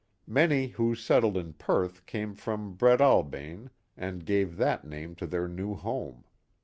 Many who settled in Perth came from Breadalbane and gave that name to their new home.